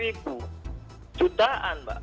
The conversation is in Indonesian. jadi itu sudah delapan jutaan mbak